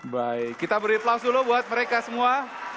baik kita beri aplaus dulu buat mereka semua